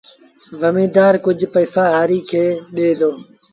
زميݩدآر ڪجھ پئيٚسآ هآريٚ کي ڏي دو